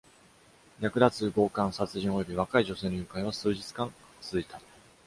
略奪、強姦、殺人および若い女性の誘拐は数日間続いた。